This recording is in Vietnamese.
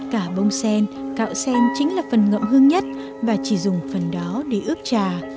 cả bông sen gạo sen chính là phần ngậm hương nhất và chỉ dùng phần đó để ướp trà